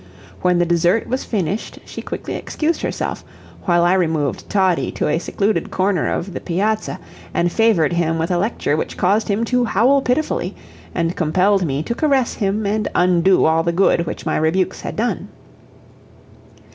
When the dessert was finished she quickly excused herself, while I removed Toddie to a secluded corner of the piazza, and favored him with a lecture which caused him to howl pitifully, and compelled me to caress him and undo all the good which my rebukes had done.